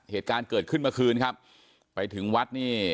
เหตุการณ์เกิดขึ้นเมื่อคืนครับไปถึงวัดนี่